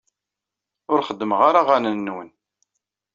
Ur xeddmeɣ ara aɣanen-nwen.